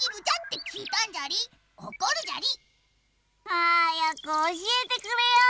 はやくおしえてくれよ！